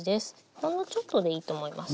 ほんのちょっとでいいと思います。